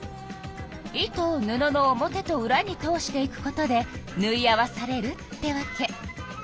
糸を布の表とうらに通していくことでぬい合わされるってわけ。